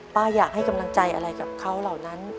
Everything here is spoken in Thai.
อยากให้กำลังใจอะไรกับเขาเหล่านั้น